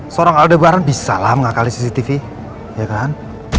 seorang adebaran bisa lah mengakali cctv ya kan